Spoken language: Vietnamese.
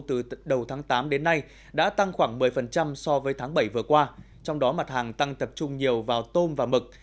từ đầu tháng tám đến nay đã tăng khoảng một mươi so với tháng bảy vừa qua trong đó mặt hàng tăng tập trung nhiều vào tôm và mực